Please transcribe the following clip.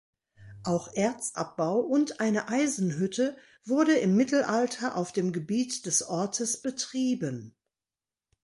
Auch Erzabbau und eine Eisenhütte wurde im Mittelalter auf dem Gebiet des Ortes betrieben.